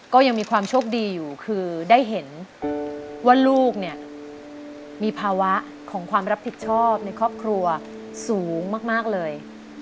ก็ยังมีความโชคดีอยู่คือได้เห็นว่าลูกเนี่ยมีภาวะของความรับผิดชอบในครอบครัวสูงมากเลย